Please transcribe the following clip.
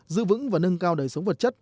giữ vững và nâng cao đầy sống vật chất